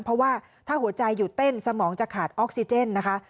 เพราะว่าถ้าหัวใจหยุดเต้นสมองจะขาดออกซิเจนนะคะ